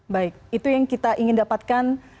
baik itu yang kita ingin dapatkan